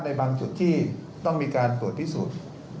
ในบางจุดที่ต้องมีการตรวจพิสูจน์